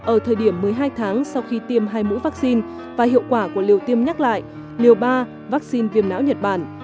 ở thời điểm một mươi hai tháng sau khi tiêm hai mũi vaccine và hiệu quả của liều tiêm nhắc lại liều ba vaccine viêm não nhật bản